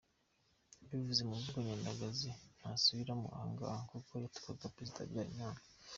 Yabivuze mu mvugo nyandagazi ntasubiramo ahangaha, kuko yatukaga Président Habyarimana!